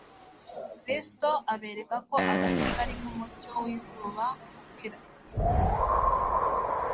Kristo abereka ko agakiza ari nk'umucyo w'izuba ukwira isi yose.